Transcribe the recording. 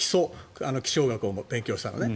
気象学を勉強したのね。